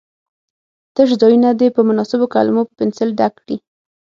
تش ځایونه دې په مناسبو کلمو په پنسل ډک کړي.